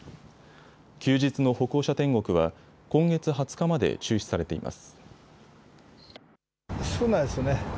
休日の歩行者天国は今月２０日まで中止されています。